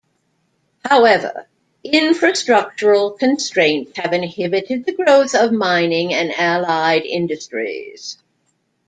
However, infrastructural constraints have inhibited the growth of mining and allied industries.